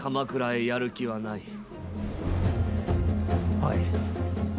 はい。